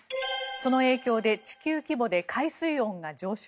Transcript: その影響で地球規模で海水温が上昇。